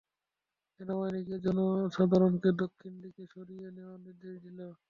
সেনাবাহিনীকে জনসাধারণকে দক্ষিণ দিকে সরিয়ে নেওয়ার নির্দেশ দিন।